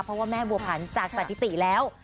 เพราะว่าแม่บัวผันจากสถิติแล้ว